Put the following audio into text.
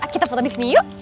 kita foto disini yuk